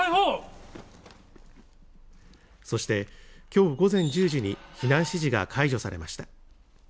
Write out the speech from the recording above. そしてきょう午前１０時に避難指示が解除されました。